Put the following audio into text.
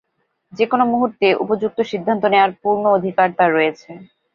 যে কোন মুহূর্তে উপযুক্ত সিদ্ধান্ত নেয়ার পূর্ণ অধিকার তার রয়েছে।